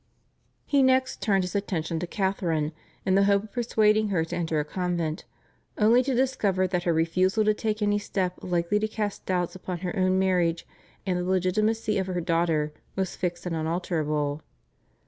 He next turned his attention to Catharine, in the hope of persuading her to enter a convent, only to discover that her refusal to take any step likely to cast doubts upon her own marriage and the legitimacy of her daughter was fixed and unalterable.